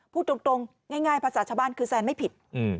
พูดตรงง่ายภาษาชาวบ้านคือแซนไม่ผิด